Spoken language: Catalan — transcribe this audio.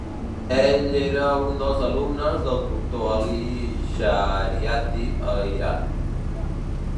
Ell era un dels alumnes del Dr. Ali Shariati a Iran.